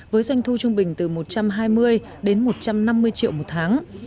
với doanh thu trung bình từ một trăm hai mươi đến một trăm năm mươi triệu một tháng